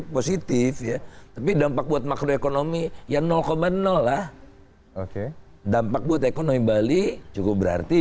positif ya tapi dampak buat makroekonomi yang lah oke dampak buat ekonomi bali cukup berarti